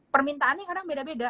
permintaannya kadang beda beda